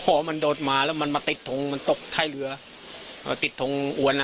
พอมันโดดมาแล้วมันมาติดทงมันตกท้ายเรือมาติดทงอวนอ่ะ